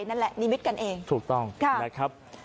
นั่นแหละนิมิตกันเองถูกต้องนะครับ